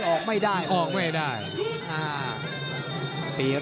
ออกไม่ได้